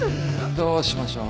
どうしましょう？